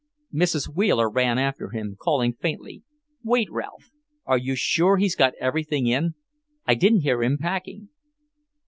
Mrs. Wheeler ran after him, calling faintly, "Wait, Ralph! Are you sure he's got everything in? I didn't hear him packing."